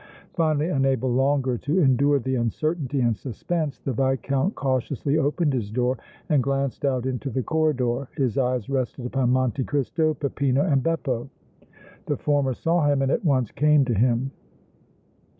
Finally, unable longer to endure the uncertainty and suspense, the Viscount cautiously opened his door and glanced out into the corridor. His eyes rested upon Monte Cristo, Peppino and Beppo. The former saw him and at once came to him.